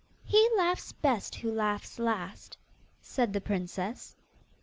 'He laughs best who laughs last,' said the princess.